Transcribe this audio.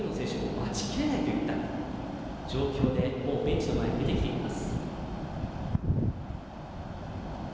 待ちきれないといった状況でもうベンチの前に出てきています。